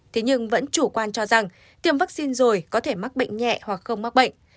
thế nhưng vẫn chủ quan cho rằng tiêm vaccine rồi có thể mắc bệnh nhẹ hoặc không mắc bệnh